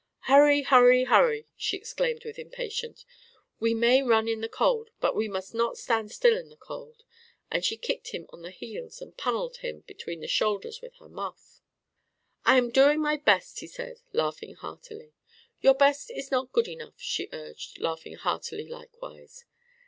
"Hurry, hurry, hurry!" she exclaimed with impatience. "We may run in the cold, but we must not stand still in the cold;" and she kicked him on the heels and pummelled him between the shoulders with her muff. "I am doing my best," he said, laughing heartily. "Your best is not good enough," she urged, laughing heartily likewise.